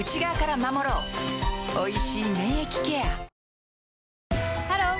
おいしい免疫ケアハロー！